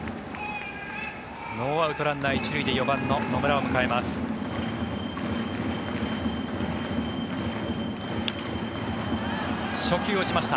ノーアウト、ランナー１塁で４番の野村を迎えます。